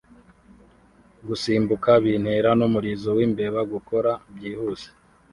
Gusimbuka bintera (n'umurizo wimbeba) gukora Byihuse!